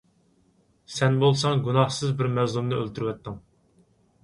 سەن بولساڭ گۇناھسىز بىر مەزلۇمنى ئۆلتۈرۈۋەتتىڭ.